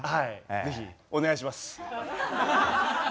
ぜひお願いします。